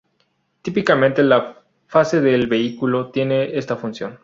Típicamente la última fase del vehículo tiene esta función.